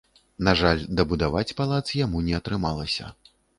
На жаль, дабудаваць палац яму не атрымалася.